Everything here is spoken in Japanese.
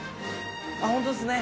あっホントっすね